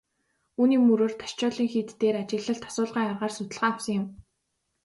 Үүний мөрөөр Дашчойлин хийд дээр ажиглалт асуулгын аргаар судалгаа авсан юм.